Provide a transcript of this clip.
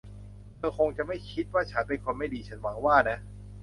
เธอคงจะไม่คิดว่าฉันเป็นคนไม่ดี ฉันหวังว่านะ ?